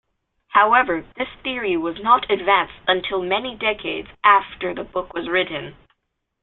However, this theory was not advanced until many decades after the book was written.